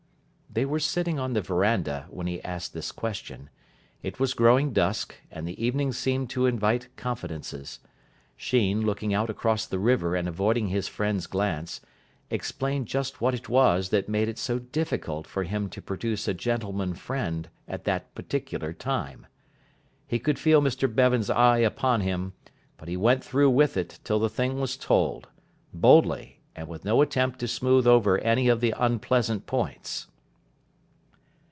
They were sitting on the verandah when he asked this question. It was growing dusk, and the evening seemed to invite confidences. Sheen, looking out across the river and avoiding his friend's glance, explained just what it was that made it so difficult for him to produce a gentleman friend at that particular time. He could feel Mr Bevan's eye upon him, but he went through with it till the thing was told boldly, and with no attempt to smooth over any of the unpleasant points.